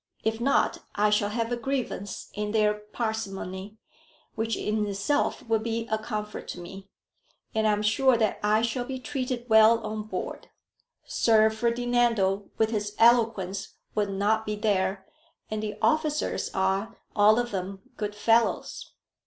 If not, I shall have a grievance in their parsimony, which in itself will be a comfort to me; and I am sure that I shall be treated well on board. Sir Ferdinando with his eloquence will not be there, and the officers are, all of them, good fellows.